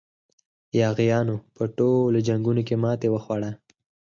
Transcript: یاغیانو په ټولو جنګونو کې ماته وخوړه.